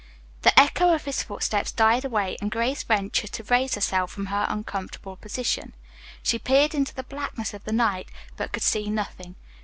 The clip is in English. The echo of his footsteps died away and Grace ventured to raise herself from her uncomfortable position. She peered into the blackness of the night, but could see nothing.